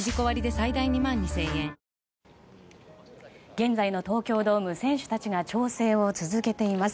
現在の東京ドーム選手たちが調整を続けています。